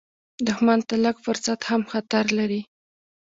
دښمن ته لږ فرصت هم خطر لري